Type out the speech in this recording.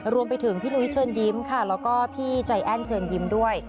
รวมไปถึงพี่นุ้ยเชิญยิ้มค่ะแล้วก็พี่ใจแอ้นเชิญยิ้มด้วย